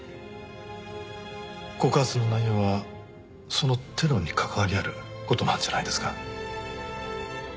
告発の内容はそのテロに関わりある事なんじゃないですか？